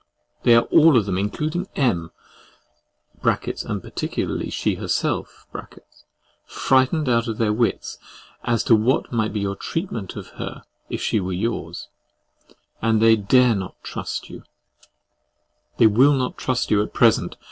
They are all of them including M—— (and particularly she herself) frightened out of their wits, as to what might be your treatment of her if she were yours; and they dare not trust you—they will not trust you, at present.